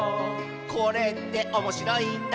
「これっておもしろいんだね」